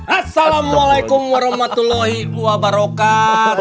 assalamualaikum warahmatullahi wabarakatuh